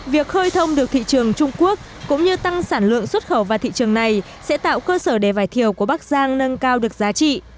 việc khơi thông được thị trường trung quốc cũng như tăng sản lượng xuất khẩu vào thị trường này sẽ tạo cơ sở để vải thiều của bắc giang nâng cao được giá trị